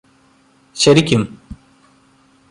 ശരിക്കും